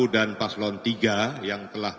dan paslon tiga yang telah